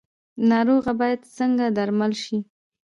ناروغه باید څنګه درمل شي؟